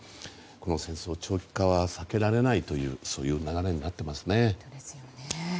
この戦争、長期化は避けられないという流れになっていますね。